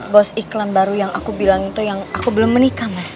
bos iklan baru yang aku bilang itu yang aku belum menikah mas